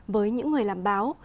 với những người làm báo